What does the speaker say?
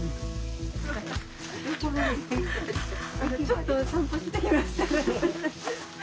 ちょっと散歩してきました。